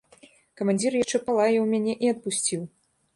Камандзір яшчэ палаяў мяне і адпусціў.